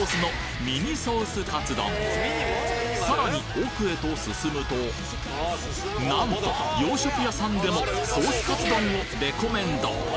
奥へと進むとなんと洋食屋さんでもソースカツ丼をレコメンド！